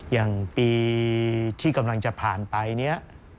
อย่างปีที่กำลังจะผ่านไปเนี่ย